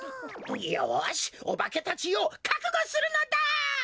よしおばけたちよかくごするのだ！